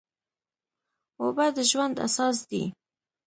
اوبه د ژوند اساس دي.